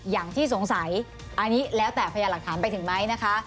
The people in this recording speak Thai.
อย่างที่สงสัยอันนี้แล้วแต่พยานหลักฐานไปถึงไหมนะคะ